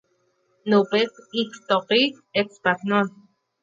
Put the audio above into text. Nouvelle historique espagnole".